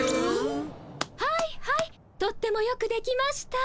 はいはいとってもよくできました。